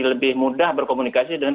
lebih mudah berkomunikasi dengan